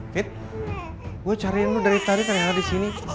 fit gue cariin lo dari tadi ternyata disini